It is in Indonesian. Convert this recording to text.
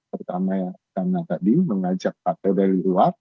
pertama karena tadi mengajak partai dari luar